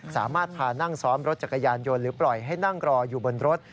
สามารถพานั่งซ้อนรถจักรยานยนต์หรือปล่อยให้นั่งรออยู่บนรถ